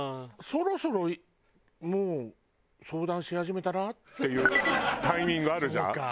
そろそろもう相談し始めたら？っていうタイミングあるじゃん。